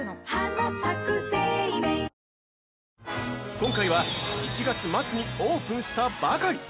◆今回は、１月末にオープンしたばかり！